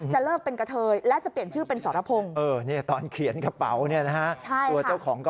เลิกเป็นกะเทยและจะเปลี่ยนชื่อเป็นสรพงศ์